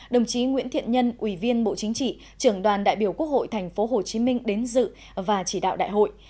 đồng chí nguyễn thiện nhân ủy viên bộ chính trị trưởng đoàn đại biểu quốc hội tp hcm đến dự và chỉ đạo đại hội